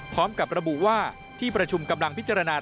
พร้อมกับระบุว่าที่ประชุมกำลังพิจารณา